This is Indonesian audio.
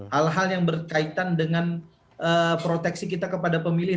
hal hal yang berkaitan dengan proteksi kita kepada pemilih